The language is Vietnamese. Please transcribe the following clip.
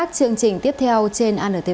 xin mời quý vị theo dõi